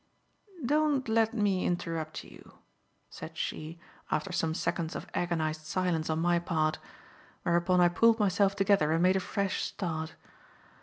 "Don't let me interrupt you," said she after some seconds of agonized silence on my part; whereupon I pulled myself together and made a fresh start.